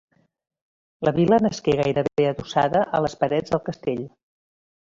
La vila nasqué gairebé adossada a les parets del castell.